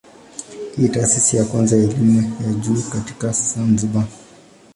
Hii ni taasisi ya kwanza ya elimu ya juu katika Zanzibar.